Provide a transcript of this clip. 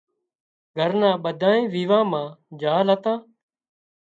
گھرنان ٻڌانئين ويوان مان جھل هتان